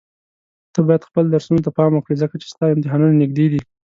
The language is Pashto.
ته بايد خپل درسونو ته پام وکړي ځکه چي ستا امتحانونه نيږدي دي.